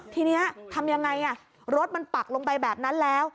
ทีนี้ทำยังไงรถมันปักลงไปแบบนั้นแล้ว